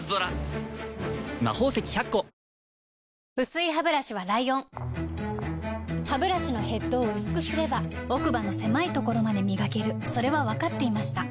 薄いハブラシはライオンハブラシのヘッドを薄くすれば奥歯の狭いところまで磨けるそれは分かっていました